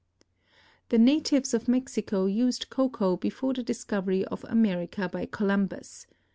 The natives of Mexico used cocoa before the discovery of America by Columbus.